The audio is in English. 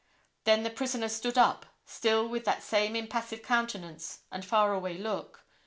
Then the prisoner stood up, still with that same impassive countenance, and far away look.